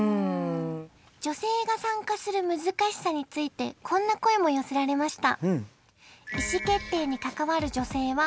女性が参加する難しさについてこんな声も寄せられました。